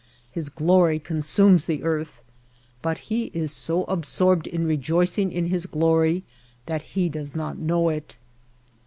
His glory consumes the earth, but he is so absorbed in rejoicing in his glory that he does not know it.